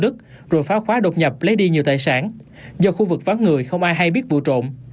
đức rồi phá khóa đột nhập lấy đi nhiều tài sản do khu vực vắng người không ai hay biết vụ trộm